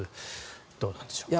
どうなんでしょうか。